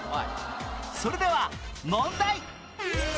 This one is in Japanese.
それでは問題